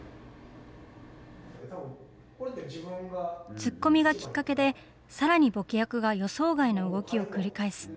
ツッコミがきっかけで、さらにボケ役が予想外の動きを繰り返す。